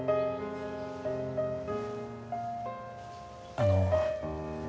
あの。